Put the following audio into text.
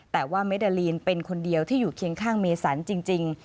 แต่ว่าเมดาลีนเป็นคนเดียวที่อยู่เคียงข้างเมสันจริง